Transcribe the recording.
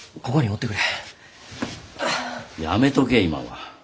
やめとけ今は。